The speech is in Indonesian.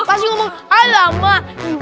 emang di kolong ada kecoa lagi ngopi